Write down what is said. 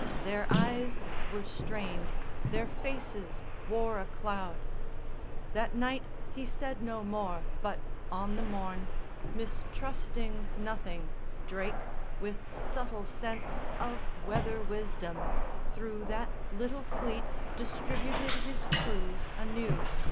Their eyes were strained; their faces wore a cloud. That night he said no more; but on the morn, Mistrusting nothing, Drake with subtle sense Of weather wisdom, through that little fleet Distributed his crews anew.